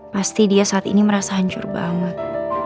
pasti dia saat ini merasa hancur banget